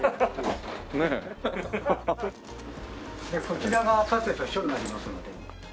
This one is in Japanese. こちらが勝先生の書になりますので。